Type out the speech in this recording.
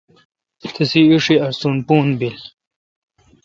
تسی ایݭی اسون پھور بیل۔